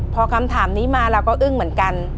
พอคำถามนี้มาเราก็อึ้งเหมือนกัน